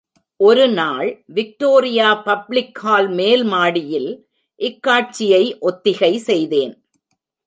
ஒரு நாள் Victoria public hall மேல் மாடியில், இக்காட்சியை ஒத்திகை செய்தேன்.